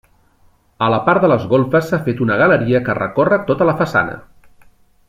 A la part de les golfes s'ha fet una galeria que recorre tota la façana.